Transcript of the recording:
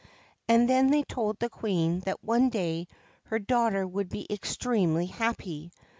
And then they told the Queen that one day her daughter would be extremely happy.